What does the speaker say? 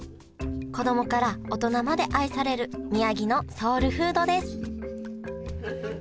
子供から大人まで愛される宮城のソウルフードです